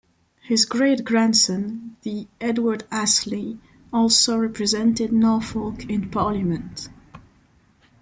His great-grandson, the Edward Astley, also represented Norfolk in Parliament.